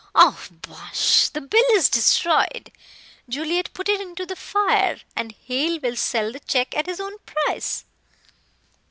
"Oh, bosh! The bill is destroyed. Juliet put it into the fire, and Hale will sell the check at his own price."